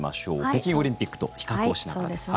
北京オリンピックと比較しながら。